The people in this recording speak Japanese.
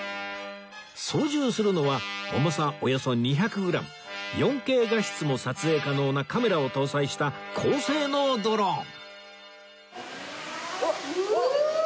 操縦するのは重さおよそ２００グラム ４Ｋ 画質も撮影可能なカメラを搭載した高性能ドローンフゥ！